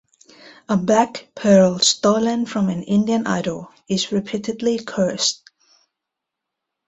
A black pearl stolen from an Indian idol is reputedly cursed.